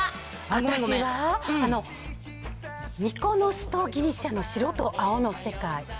私はミコノス島、ギリシャのしろと青の世界。